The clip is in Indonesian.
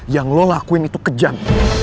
yang lo lakuin itu kejam